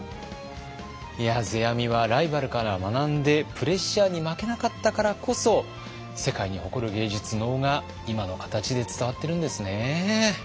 いや世阿弥はライバルから学んでプレッシャーに負けなかったからこそ世界に誇る芸術能が今の形で伝わってるんですね。